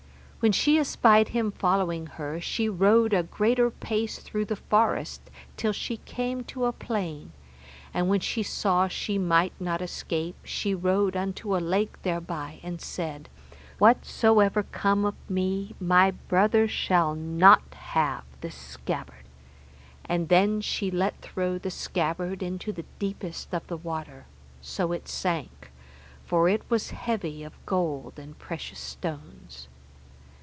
When she espied him following her, she rode a greater pace through the forest till she came to a plain, and when she saw she might not escape, she rode unto a lake thereby, and said, Whatsoever come of me, my brother shall not have this scabbard. And then she let throw the scabbard in the deepest of the water so it sank, for it was heavy of gold and precious stones.